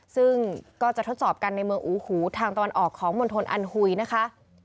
ซึ่งก็จะทดสอบกันในเมืองอูหูทางตะวันออกของมณฑลอันหุยนะคะ